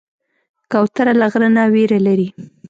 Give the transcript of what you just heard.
کوتره له غره نه ویره لري.